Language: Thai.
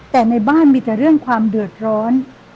แต่ในบ้านมีแต่เรื่องความเดือดร้อน